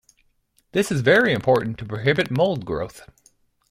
This is very important to prohibit mold growth.